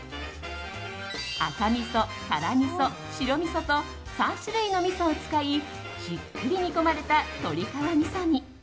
赤みそ、辛みそ、白みそと３種類のみそを使いじっくりと煮込まれた鳥皮みそ煮。